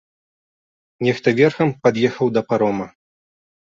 Нехта верхам пад'ехаў да парома.